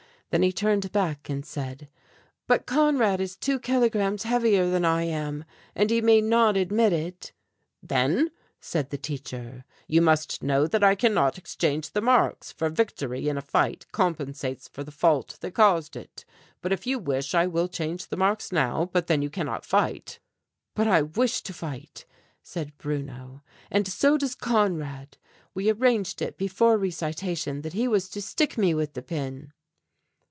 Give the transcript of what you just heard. Then he turned back and said, "But Conrad is two kilograms heavier than I am, and he may not admit it." "Then," said the teacher, "you must know that I cannot exchange the marks, for victory in a fight compensates for the fault that caused it. But if you wish I will change the marks now, but then you cannot fight." "But I wish to fight," said Bruno, "and so does Conrad. We arranged it before recitation that he was to stick me with the pin."